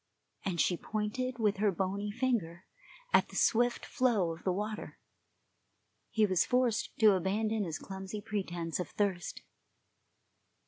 and she pointed with her bony finger at the swift flow of the water. He was forced to abandon his clumsy pretence of thirst.